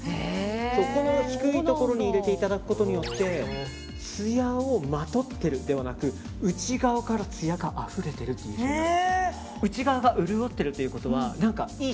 この低いところに入れていただくことによってつやをまとってるではなく内側からつやがあふれてるという印象になる。